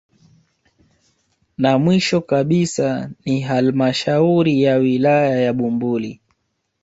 Na mwisho kabisa ni halmashauri ya wilaya ya Bumbuli